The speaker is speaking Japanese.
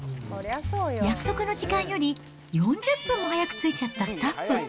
約束の時間より４０分も早く着いちゃったスタッフ。